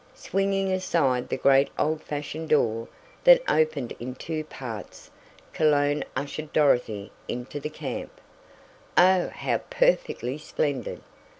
Swinging aside the great old fashioned door, that opened in two parts, Cologne ushered Dorothy into the camp. "Oh, how perfectly splendid!"